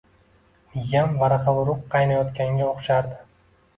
Miyam varaqa-vuruq qaynayotganga o‘xshardi